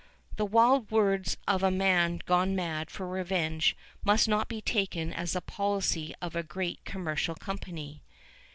The wild words of a man gone mad for revenge must not be taken as the policy of a great commercial company.